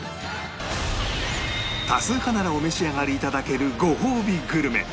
多数派ならお召し上がり頂けるごほうびグルメ